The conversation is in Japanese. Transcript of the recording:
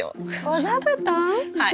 はい。